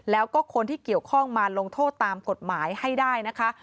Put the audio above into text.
แล้วก็คนที่เกี่ยวข้องมาลงโทษตามกฎหมายให้ได้นะคะ